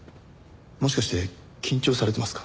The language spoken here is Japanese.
もしかして緊張されてますか？